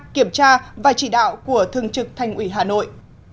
kiểm tra và chỉ đạo của thường trực thành ủy hà nội